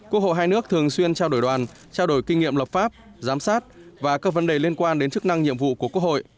quốc hội hai nước thường xuyên trao đổi đoàn trao đổi kinh nghiệm lập pháp giám sát và các vấn đề liên quan đến chức năng nhiệm vụ của quốc hội